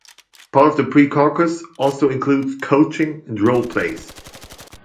Part of the pre-caucus also includes coaching and role plays.